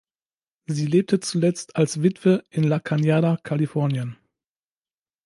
Sie lebte zuletzt als Witwe in La Canada, Kalifornien.